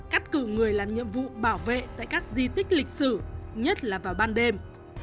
cắt cử người làm nhiệm vụ bảo vệ tại các di tích lịch sử nhất là vào ban đêm